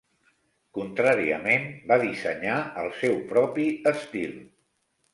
Contràriament, va dissenyar el seu propi estil.